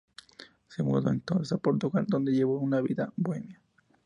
Se mudó entonces a Portugal, donde llevó una vida bohemia.